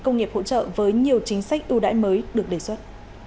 công nghiệp hỗ trợ với nhiều chính sách ưu đãi mới được đề xuất